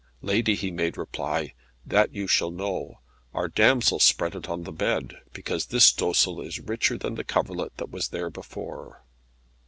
"Lady," he made reply, "that you shall know. Our damsel spread it on the bed, because this dossal is richer than the coverlet that was there before."